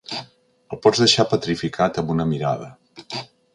El pots deixar petrificat amb una mirada.